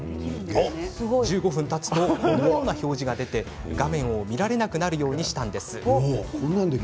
１５分たつとこのような表示が出て、画面を見られなくなるようにしたんです。